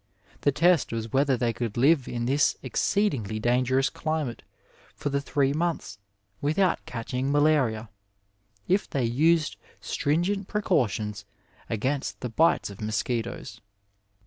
The test was whether they could live in this exceed ingly dangerous climate for the three months without catching malaria, if they used stringent precautionB against the bites of mosquitoes.